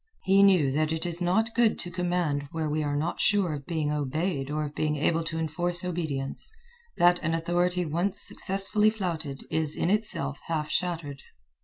He knew that it is not good to command where we are not sure of being obeyed or of being able to enforce obedience, that an authority once successfully flouted is in itself half shattered.